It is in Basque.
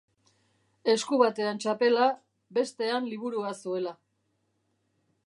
Esku batean txapela, bestean liburua zuela.